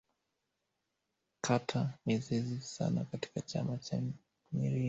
kita mizizi sana katika chama cha nrm